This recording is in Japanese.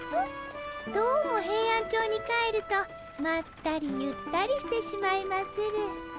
どうもヘイアンチョウに帰るとまったりゆったりしてしまいまする。